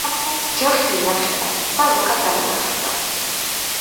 ჯოხი ინახება და ლუკა გაილახება